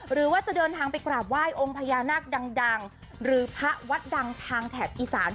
หรือว่าจะเดินทางไปกราบไหว้องค์พญานาคดังหรือพระวัดดังทางแถบอีสาน